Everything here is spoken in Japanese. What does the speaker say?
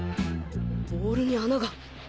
ボールに穴が